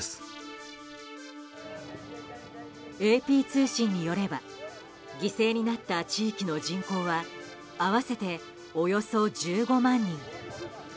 ＡＰ通信によれば犠牲になった地域の人口は合わせておよそ１５万人。